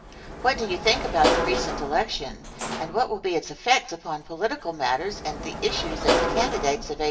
What do you think about the recent election, and what will be its effect upon political matters and the issues and candidates of 1880?